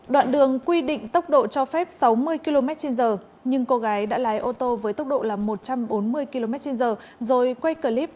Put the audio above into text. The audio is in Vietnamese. đoạn đường quy định tốc độ cho phép sáu mươi kmh nhưng cô gái đã lái ô tô với tốc độ là một trăm bốn mươi kmh rồi quay clip